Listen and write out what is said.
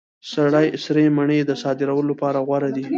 سرې مڼې د صادرولو لپاره غوره دي.